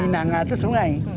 minangah itu sungai